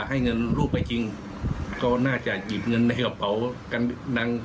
ให้เงินลูกไปจริงก็น่าจะหยิบเงินในกระเป๋ากันดัง